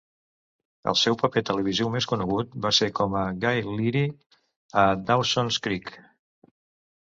El seu paper televisiu més conegut va ser com a Gail Leery a "Dawson's Creek".